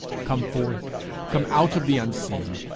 Come forth; come out of the unseen.